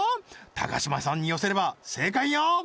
高島さんに寄せれば正解よ